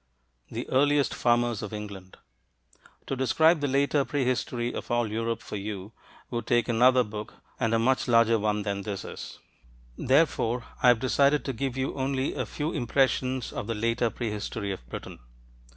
THE EARLIEST FARMERS OF ENGLAND To describe the later prehistory of all Europe for you would take another book and a much larger one than this is. Therefore, I have decided to give you only a few impressions of the later prehistory of Britain.